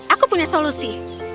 aku punya solusi